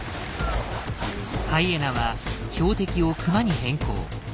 ハイエナは標的をクマに変更。